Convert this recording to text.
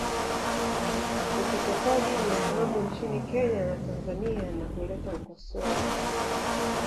Ukeketaji ni haramu nchini Kenya na Tanzania na huleta ukosoaji